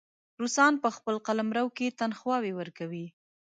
روسان په خپل قلمرو کې تنخواوې ورکوي.